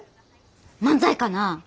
漫才かな？